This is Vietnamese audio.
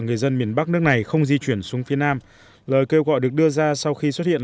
người dân miền bắc nước này không di chuyển xuống phía nam lời kêu gọi được đưa ra sau khi xuất hiện